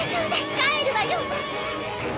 帰るわよ！